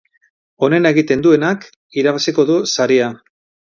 Onena egiten duenak irabaziko du saria.